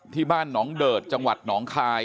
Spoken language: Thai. ที่บ้านหนองเดิดจังหวัดหนองคาย